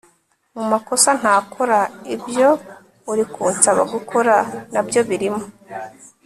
mu makosa ntakora ibyo uri kunsaba gukora nabyo birimo